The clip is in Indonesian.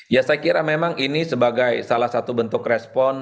ya saya kira memang ini sebagai salah satu bentuk respon